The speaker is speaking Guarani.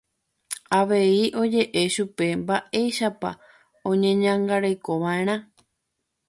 Avei oje'e chupe mba'éichapa oñeñangarekova'erã.